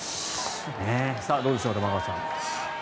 さあ、どうでしょう玉川さん。